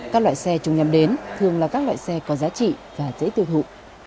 các loại xe trùng nhầm đến thường là các loại xe có giá trị và dễ tiêu thụ